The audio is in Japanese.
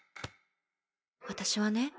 私はね